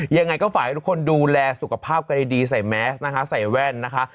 ยังไงก็ฝากให้ทุกคนดูแลสุขภาพกันดีใส่แมสนะคะใส่แว่นนะคะ